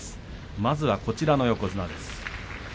まずはこちらの横綱です。